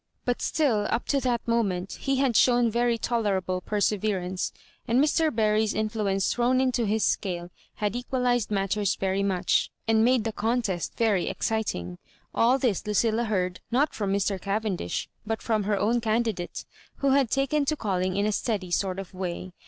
But still, up to this moment, he had shown very tol erable perseverance; and Mr. Buiy's influence thrown into his ece^e had equalized matters very much, and made the contest very exdtmg. All this Lucilla heard, not from Mr. Cavendish, but from her own candidate, who had taken to calling in a steady sort of way.